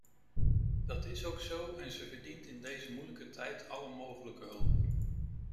Dat is ook zo en ze verdient in deze moeilijke tijd alle mogelijke hulp.